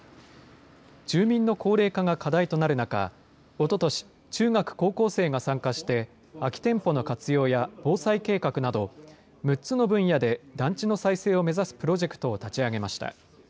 住民の高齢化が課題となる中、おととし、中学・高校生が参加して、空き店舗の活用や防災計画など、６つの分野で団地の再生を目指すプロジェクトを立ち上げました。